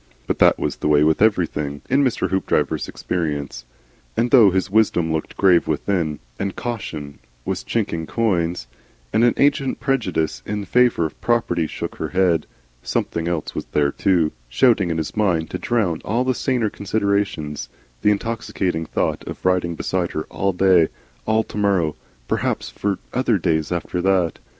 But that was the way with everything in Mr. Hoopdriver's experience. And though his Wisdom looked grave within him, and Caution was chinking coins, and an ancient prejudice in favour of Property shook her head, something else was there too, shouting in his mind to drown all these saner considerations, the intoxicating thought of riding beside Her all to day, all to morrow, perhaps for other days after that.